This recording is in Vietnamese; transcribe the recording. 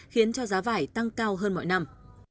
khiến cho giá vải tăng cao hơn mọi năm